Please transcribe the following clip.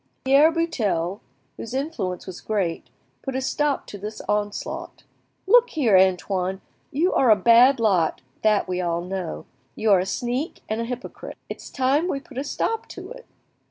Pierre Buttel, whose influence was great, put a stop to this onslaught. "Look here, Antoine, you are a bad lot, that we all know; you are a sneak and a hypocrite. It's time we put a stop to it.